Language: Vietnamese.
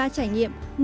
một mươi ba trải nghiệm